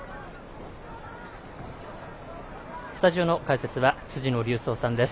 スタジオの解説は辻野隆三さんです。